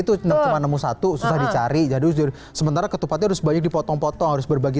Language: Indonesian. itu cuma nemu satu susah dicari jadi sementara ketupatnya harus banyak dipotong potong harus berbagi